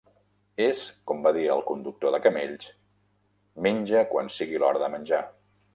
És com va dir el conductor de camells: "Menja quan sigui l'hora de menjar.